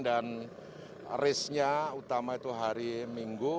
dan race nya utama itu hari minggu